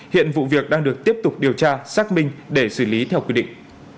hiện vụ việc đang được tiếp tục điều tra xác minh để xử lý theo quy định